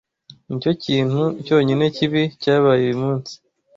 Nicyo kintu cyonyine kibi cyabaye uyu munsi.